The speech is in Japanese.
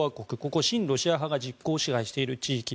ここ、親ロシア派が実効支配している地域。